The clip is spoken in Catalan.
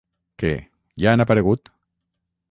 Què, ja han aparegut?